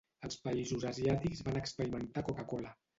Els països asiàtics van experimentar Coca-Cola.